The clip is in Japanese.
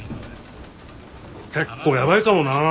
結構ヤバいかもな。